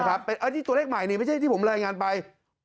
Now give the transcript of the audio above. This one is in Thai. อันนี้ตัวเลขใหม่นี่ไม่ใช่ที่ผมรายงานไป